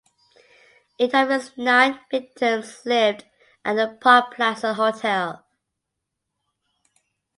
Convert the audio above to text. Eight of his nine victims lived at the Park Plaza Hotel.